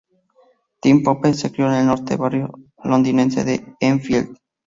Tim Pope se crio en el norte barrio londinense de Enfield.